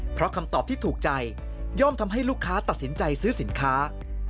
เพราะคำตอบที่ถูกใจย่อมทำให้ลูกค้าตัดสินใจซื้อสินค้า